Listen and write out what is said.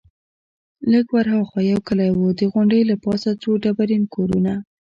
لږ ورهاخوا یو کلی وو، د غونډۍ له پاسه څو ډبرین کورونه.